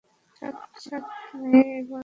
সাত মেয়ে এবং এক ছেলে তাঁহাকে এক দণ্ড ছাড়ে না।